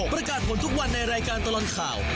ประกาศผลทุกวันในรายการตลอดข่าว